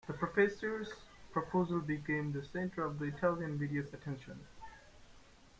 The Professor's proposal became the center of the Italian media's attention.